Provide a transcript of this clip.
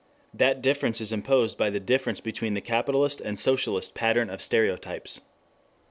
That difference is imposed by the difference between the capitalist and socialist pattern of stereotypes.